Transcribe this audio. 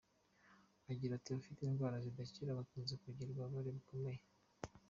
Agira ati “Abafite indwara zidakira bakunze kugira ububabare bukomeye.